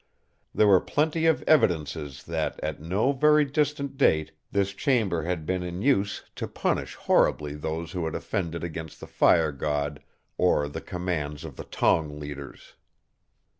There were plenty of evidences that at no very distant date this chamber had been in use to punish horribly those who had offended against the fire god or the commands of the Tong leaders.